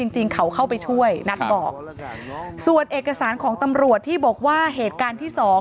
จริงเขาเข้าไปช่วยนัทบอกส่วนเอกสารของตำรวจที่บอกว่าเหตุการณ์ที่สอง